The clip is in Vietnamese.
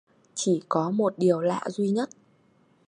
Chỉ có một điều lạ duy nhất